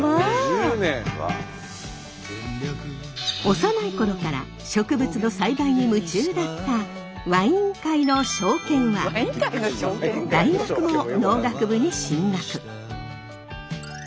幼い頃から植物の栽培に夢中だったワイン界のショーケンは大学も農学部に進学。